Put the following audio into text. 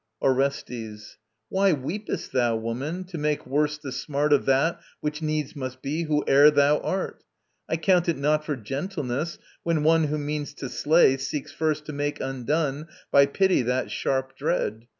ORESTES. Why weepest thou, woman, to make worse the smart Of that which needs must be, whoe'er thou art? I count it not for gentleness, when one Who means to slay, seeks first to make undone By pity that sharp dread.